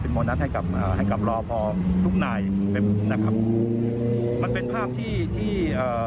โบนัสให้กับเอ่อให้กับรอพอทุกนายเต็มนะครับมันเป็นภาพที่ที่เอ่อ